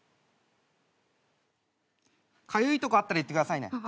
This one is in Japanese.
かゆいとこあったら言ってくださいね。